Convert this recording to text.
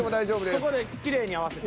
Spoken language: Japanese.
そこできれいに合わせて。